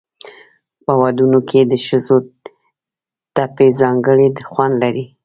په ودونو کې د ښځو ټپې ځانګړی خوند لري.